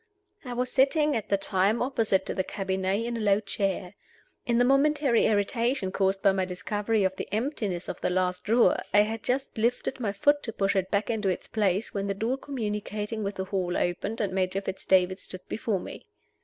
I was sitting, at the time, opposite to the cabinet, in a low chair. In the momentary irritation caused by my discovery of the emptiness of the last drawer, I had just lifted my foot to push it back into its place, when the door communicating with the hall opened, and Major Fitz David stood before me.